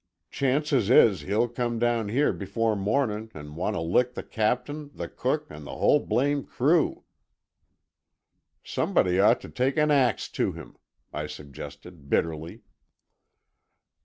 Chances is he'll come down here before mornin' an' want t' lick the captain, the cook, an' the whole blame crew." "Somebody ought to take an axe to him," I suggested bitterly.